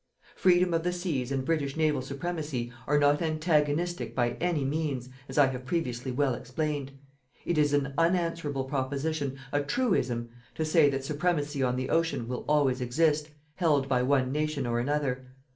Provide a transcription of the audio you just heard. Freedom of the seas and British naval supremacy are not antagonistic by any means, as I have previously well explained. It is an unanswerable proposition a truism to say that supremacy on the ocean will always exist, held by one nation or another.